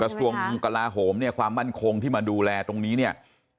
กระทรวงกลาโหมเนี่ยความมั่นคงที่มาดูแลตรงนี้เนี่ย